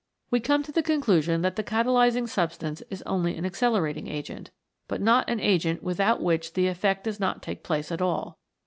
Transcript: We come to the conclusion that the catalysing substance is only an accelerating agent, but not an agent without which the effect does not take place at all.